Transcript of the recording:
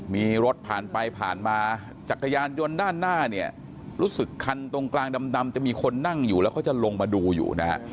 มีรถผ่านไปผ่านมาจักรยานยนต์ด้านหน้าเนี่ยรู้สึกคันตรงกลางดำจะมีคนนั่งอยู่แล้วเขาจะลงมาดูอยู่นะฮะ